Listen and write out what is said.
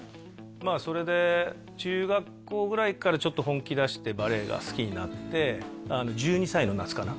まあそれで中学校ぐらいからちょっと本気出してバレエが好きになって１２歳の夏かな？